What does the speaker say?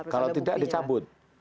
kalau tidak dicabut